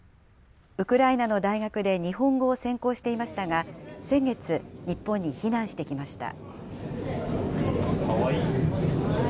ウクライナの大学で日本語を専攻していましたが、先月、日本に避難してきました。